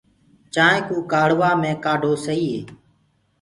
چآنٚينٚ ڪوُ ڪآڙهوآ مينٚ ڪآڍو سئي هي۔